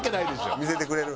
見せてくれる？